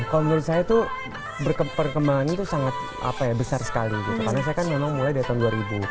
menurut saya tuh berkembang itu sangat apa ya besar sekali karena saya kan memang mulai dua ribu